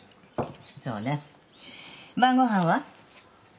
そうね晩ご飯は？